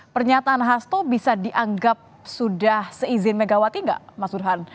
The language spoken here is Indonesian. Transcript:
pernyataan hasto bisa dianggap sudah seizin megawati nggak mas burhan